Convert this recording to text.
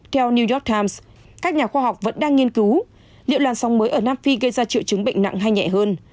theo new york times các nhà khoa học vẫn đang nghiên cứu liệu làn sóng mới ở nam phi gây ra triệu chứng bệnh nặng hay nhẹ hơn